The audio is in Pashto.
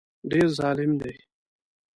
ډېر ظالم دی.